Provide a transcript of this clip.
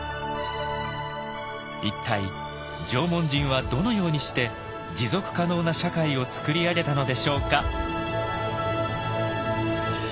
一体縄文人はどのようにして持続可能な社会を作り上げたのでしょうか。